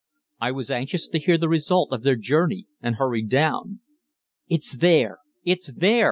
I was anxious to hear the result of their journey, and hurried down. "It's there! it's there!"